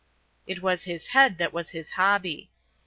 It was his head that was his hobby.